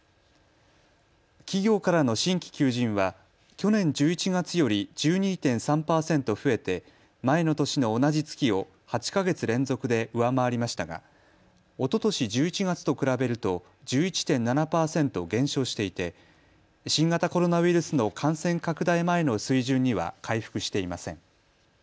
企業からの新規求人は去年１１月より１２．３％増えて前の年の同じ月を８か月連続で上回りましたがおととし１１月と比べると１１．７％減少していて新型コロナウイルスの感染拡大前の水準には回復していません。